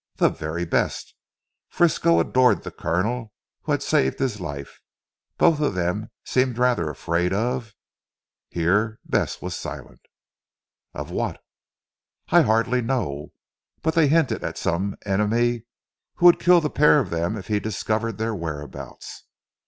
"The very best. Frisco adored the Colonel, who had saved his life. Both of them seem rather afraid of " here Bess was silent. "Of what?" "I hardly know. But they hinted at some enemy who would kill the pair of them if he discovered their whereabouts.